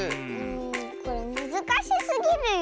これむずかしすぎるよ。